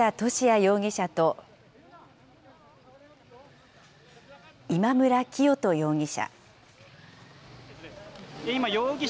容疑者と、今村磨人容疑者。